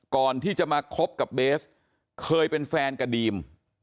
ก่อนที่จะมาคบกับเบสเคยเป็นแฟนกับดีม